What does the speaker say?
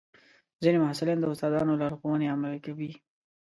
ځینې محصلین د استادانو لارښوونې عملي کوي.